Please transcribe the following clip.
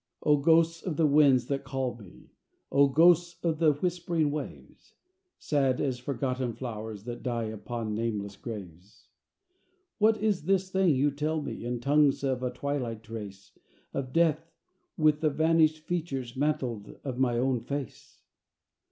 O ghosts of the winds that call me! O ghosts of the whispering waves! Sad as forgotten flowers That die upon nameless graves! What is this thing you tell me In tongues of a twilight race, Of death, with the vanished features, Mantled, of my own face?